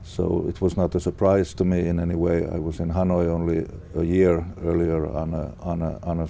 có những câu hỏi cho mình không karine